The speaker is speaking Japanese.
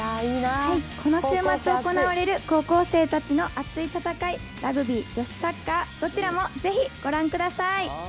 この週末行われる高校生たちの熱い戦い、ラグビー、女子サッカー、どちらもぜひ、ご覧ください。